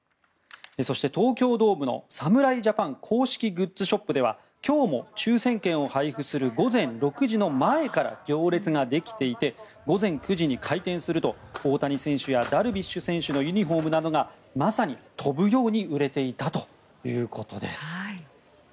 東京ドームの侍ジャパン公式グッズショップでは今日も抽選券を配布する午前６時の前から行列ができていて午前９時に開店すると大谷選手やダルビッシュ選手のユニホームなどがまさに飛ぶように売れていたということです。